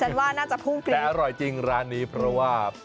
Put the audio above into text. ว่าน่าจะพุ่งเปลี่ยนแต่อร่อยจริงร้านนี้เพราะว่า